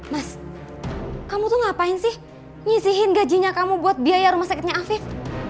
mas kamu tuh ngapain sih nyisihin gajinya kamu buat biaya rumah sakitnya afif